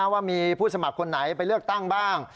ว่ามีผู้สมัครคนไหนไปเลือกตั้งบ้าง